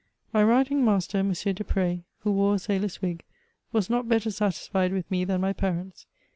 My writing master, M. Despr^s, who wore a sailor's wig, was not better satisfied with me than my parents.